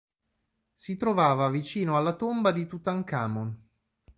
Si trovava vicino alla tomba di Tutankhamon.